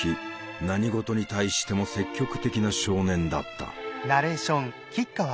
何事に対しても積極的な少年だった。